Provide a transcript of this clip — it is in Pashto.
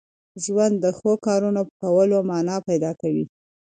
ژوند د ښو کارونو په کولو مانا پیدا کوي.